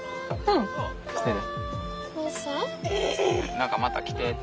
何かまた来てって。